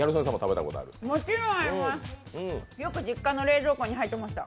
よく実家の冷蔵庫に入ってました。